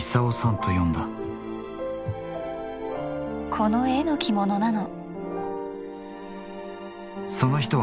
この絵の着物なの。